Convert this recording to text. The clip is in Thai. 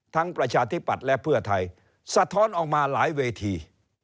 ประชาธิปัตย์และเพื่อไทยสะท้อนออกมาหลายเวที